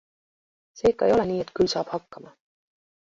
See ikka ei ole nii, et küll saab hakkama.